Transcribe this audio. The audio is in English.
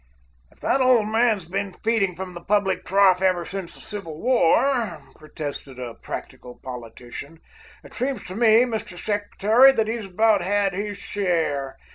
"If that old man's been feeding from the public trough ever since the Civil War," protested a "practical" politician, "it seems to me, Mr. Secretary, that he's about had his share.